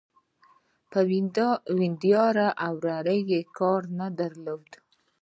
په وريندارې او ورېرې يې کار نه درلود.